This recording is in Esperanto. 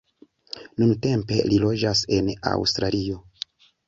Nuntempe li loĝas en Aŭstralio.